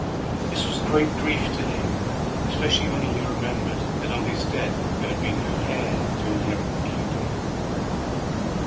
This was a great grief to him, especially when he remembered that on his death there would be no heir to inherit the kingdom.